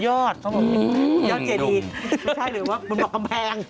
ยอดเกียรติอีนไม่ใช่หรือว่ามันบอกกำแพงดุม